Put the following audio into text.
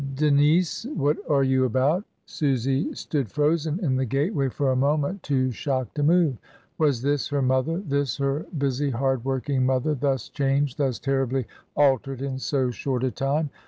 Denise! what are you about?" Susy stood frozen in the gateway for a moment, too shocked to move. Was this her mother, this her busy hard working mother, thus changed, thus terribly altered in so short a time?